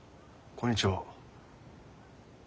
こんにちは。